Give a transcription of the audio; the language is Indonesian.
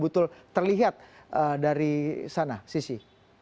betul terlihat dari sana sisi